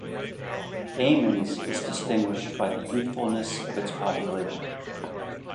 Amiens is distinguished by the youthfulness of its population.